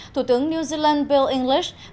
thủ tướng new zealand bill english